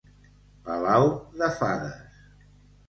Palau de fades.